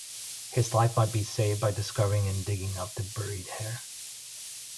His life might be saved by discovering and digging up the buried hair.